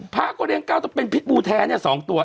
พระก็เลี้ย๙เป็นพิษบูแท้๒ตัว